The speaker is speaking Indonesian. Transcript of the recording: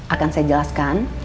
akan saya jelaskan